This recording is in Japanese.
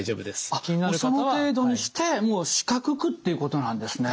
あっもうその程度にしてもう四角くっていうことなんですね。